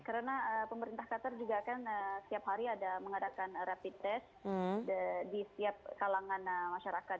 karena pemerintah qatar juga akan setiap hari ada mengadakan rapid test di setiap kalangan masyarakat